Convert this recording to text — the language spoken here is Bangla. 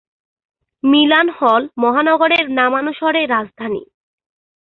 মিলান হল মহানগরের নামানুসারে রাজধানী।